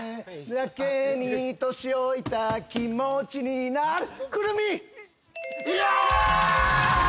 「やけに年老いた気持ちになる」